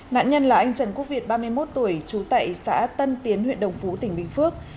nạn nhân là anh trần quốc việt ba mươi một tuổi trú tại xã tân tiến huyện đồng phú tỉnh bình phước